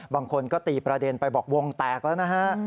บางคนก็ตีประเด็นไปบอกวงแตกแล้วนะฮะ